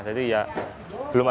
ada di tempat berkumpul